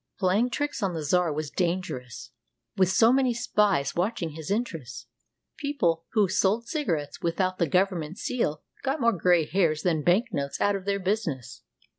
Playing tricks on the czar was dangerous, with so many spies watching his interests. People who sold cigarettes with out the government seal got more gray hairs than bank notes out of their business.